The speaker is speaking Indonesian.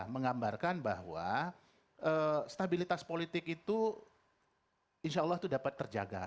menggambarkan bahwa stabilitas politik itu insya allah itu dapat terjaga